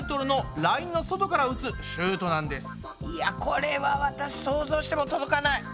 いやこれは私想像しても届かない。